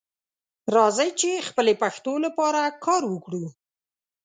راځئ چې خپلې پښتو لپاره کار وکړو